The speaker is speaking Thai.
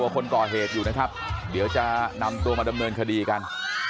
คนก่อเหตุอยู่นะครับเดี๋ยวจะนำตัวมาดำเนินคดีกัน